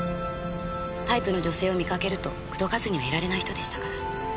タイプの女性を見かけると口説かずにはいられない人でしたから。